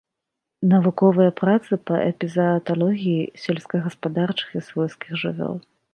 Навуковыя працы па эпізааталогіі сельскагаспадарчых і свойскіх жывёл.